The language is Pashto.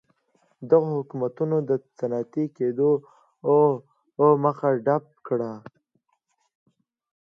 دغو حکومتونو د صنعتي کېدو مخه ډپ کړه.